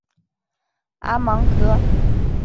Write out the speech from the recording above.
阿芒格。